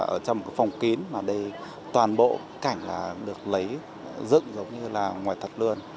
ở trong phòng kín mà toàn bộ cảnh được lấy dựng giống như là ngoài thật lươn